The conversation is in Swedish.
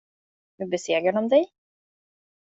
Hur besegrade de dig?